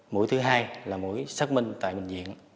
mũi thứ hai là mũi xác minh tại bệnh viện